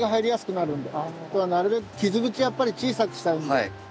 なるべく傷口はやっぱり小さくしたいんで。